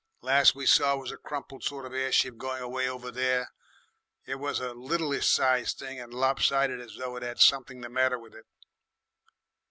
Last we saw was a crumpled sort of airship going away over there. It was a littleish sized thing and lopsided, as though it 'ad something the matter with it."